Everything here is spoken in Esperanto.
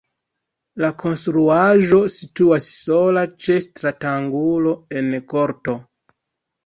La konstruaĵo situas sola ĉe stratangulo en korto.